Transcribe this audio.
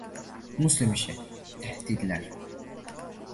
Muslimishi — tahdidlar.